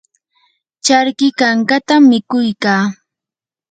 charki kankatam mikuy kaa.